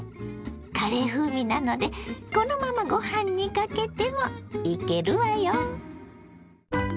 カレー風味なのでこのままごはんにかけてもイケるわよ。